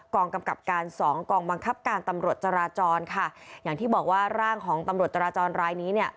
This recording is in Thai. กำกับการสองกองบังคับการตำรวจจราจรค่ะอย่างที่บอกว่าร่างของตำรวจจราจรรายนี้เนี่ย